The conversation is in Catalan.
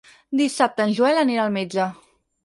Dissabte en Joel anirà al metge.